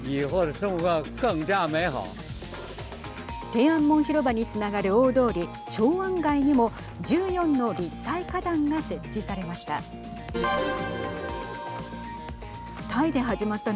天安門広場につながる大通り長安街にも１４の立体花壇が設置されました。